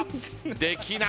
できない。